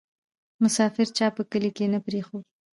ـ مسافر چا په کلي کې نه پرېښود